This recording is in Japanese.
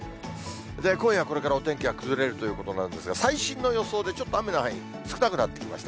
今夜これからお天気が崩れるということなんですが、最新の予想でちょっと雨の範囲、少なくなってきました。